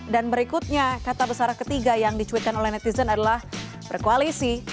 dan berikutnya kata besar ketiga yang dicuitkan oleh netizen adalah berkoalisi